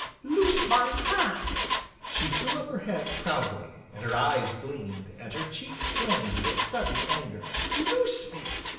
"Loose my hands!" She threw up her head proudly, and her eyes gleamed, and her cheeks flamed with sudden anger. "Loose me!"